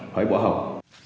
phải bỏ học